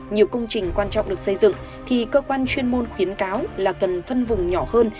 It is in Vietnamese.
nhiều công trình quan trọng được xây dựng thì cơ quan chuyên môn khuyến cáo là cần phân vùng nhỏ hơn